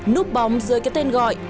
nút bóng dưới cái tên gọi